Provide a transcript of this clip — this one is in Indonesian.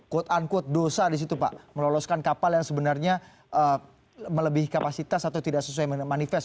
quote unquote dosa di situ pak meloloskan kapal yang sebenarnya melebihi kapasitas atau tidak sesuai manifest